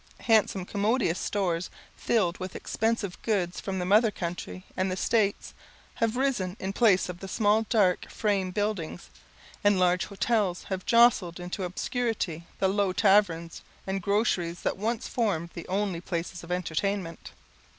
Handsome commodious stores, filled with expensive goods from the mother country and the States, have risen in the place of the small dark frame buildings; and large hotels have jostled into obscurity the low taverns and groceries that once formed the only places of entertainment.